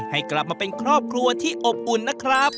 ให้กลับมาเป็นครอบครัวที่อบอุ่นนะครับ